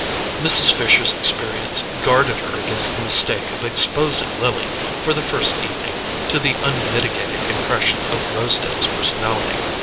Mrs. Fisher's experience guarded her against the mistake of exposing Lily, for the first evening, to the unmitigated impression of Rosedale's personality.